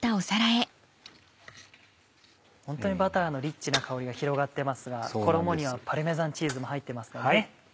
本当にバターのリッチな香りが広がってますが衣にはパルメザンチーズも入ってますからね。